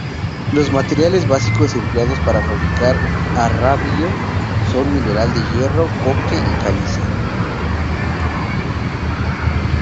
Los materiales básicos empleados para fabricar arrabio son mineral de hierro, coque y caliza.